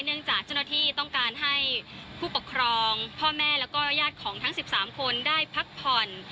จากเจ้าหน้าที่ต้องการให้ผู้ปกครองพ่อแม่แล้วก็ญาติของทั้ง๑๓คนได้พักผ่อน